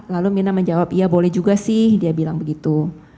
lalu mirna menjawab ya boleh juga sih dia bilang begitu